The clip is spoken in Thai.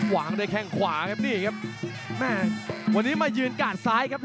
ว้างดิ้แค่งควาครับนี่ครับ